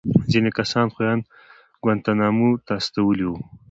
ځينې کسان خو يې ان گوانټانامو ته استولي وو.